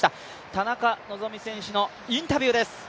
田中希実選手のインタビューです。